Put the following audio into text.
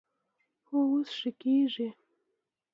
هو، اوس ښه کیږي